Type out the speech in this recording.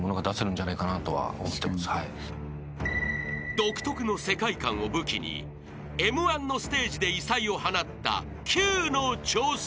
［独特の世界観を武器にＭ−１のステージで異彩を放ったキュウの挑戦］